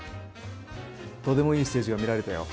とてもいいステージが見られたよ。